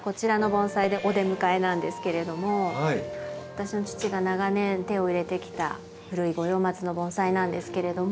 私の父が長年手を入れてきた古い五葉松の盆栽なんですけれども。